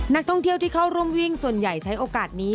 นักท่องเที่ยวที่เข้าร่วมวิ่งส่วนใหญ่ใช้โอกาสนี้